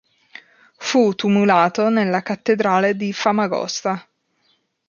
Fu tumulato nella cattedrale di Famagosta.